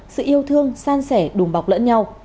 sự yêu thương san sẻ đùm bọc lẫn nhau